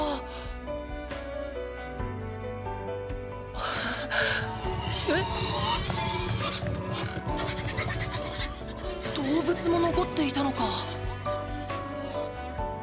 はえっ⁉動物も残っていたのか。